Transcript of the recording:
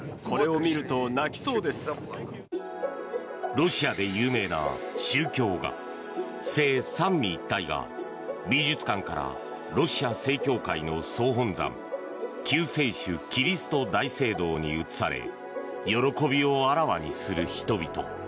ロシアで有名な宗教画「聖三位一体」が美術館からロシア正教会の総本山救世主キリスト大聖堂に移され喜びをあらわにする人々。